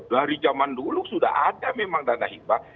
dari zaman dulu sudah ada memang dana hibah